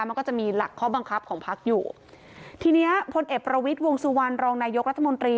มันก็จะมีหลักข้อบังคับของพักอยู่ทีเนี้ยพลเอกประวิทย์วงสุวรรณรองนายกรัฐมนตรี